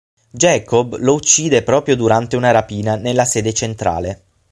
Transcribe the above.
Jacob lo uccide proprio durante una rapina nella sede centrale.